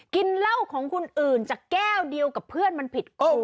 กินเหล้าของคนอื่นจากแก้วเดียวกับเพื่อนมันผิดกู